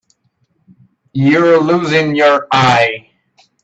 You're losing your eye.